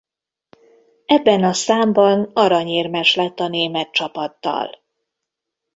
Ebben a számban aranyérmes lett a német csapattal.